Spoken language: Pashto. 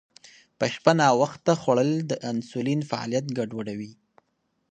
په شپه ناوخته خوړل د انسولین فعالیت ګډوډوي.